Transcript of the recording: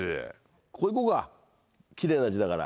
ここ行こうかキレイな字だから。